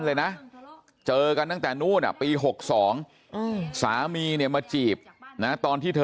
เลยนะเจอกันตั้งแต่นู้นปี๖๒สามีเนี่ยมาจีบนะตอนที่เธอ